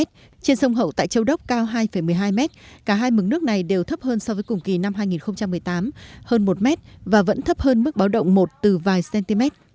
trên sông hậu tại châu đốc cao hai một mươi hai m cả hai mực nước này đều thấp hơn so với cùng kỳ năm hai nghìn một mươi tám hơn một m và vẫn thấp hơn mức báo động một từ vài cm